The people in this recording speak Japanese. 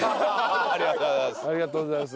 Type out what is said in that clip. ありがとうございます。